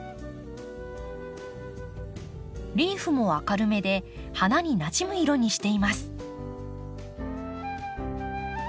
リーフも明るめで花になじむ色にしています。